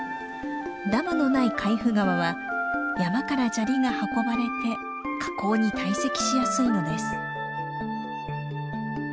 ダムのない海部川は山から砂利が運ばれて河口に堆積しやすいのです。